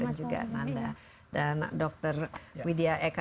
dan juga nanda dan dr widya ekso